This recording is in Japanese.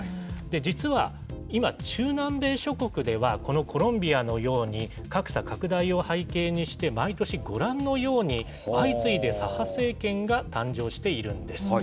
実は今、中南米諸国では、このコロンビアのように、格差拡大を背景にして、毎年ご覧のように、相次いで左派政権が誕生しているんです。